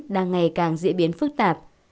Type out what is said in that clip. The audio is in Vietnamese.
đang ngày càng diễn biến phức tạp